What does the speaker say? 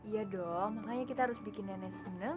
iya dong makanya kita harus bikin nenek senang